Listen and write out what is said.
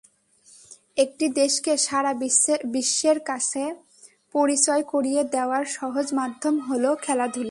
একটি দেশকে সারা বিশ্বের কাছে পরিচয় করিয়ে দেওয়ার সহজ মাধ্যম হলো খেলাধুলা।